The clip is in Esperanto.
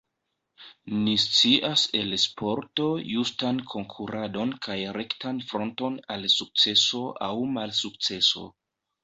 Ni scias el sporto justan konkuradon kaj rektan fronton al sukceso aŭ malsukceso.